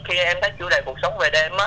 khi em thấy chủ đề cuộc sống về đêm á